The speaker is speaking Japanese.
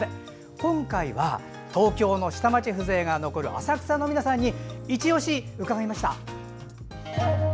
今回は、東京の下町風情が残る浅草の皆さんに「いちオシ」伺いました。